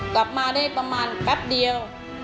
กลับมาได้ประมาณแป๊บเดียว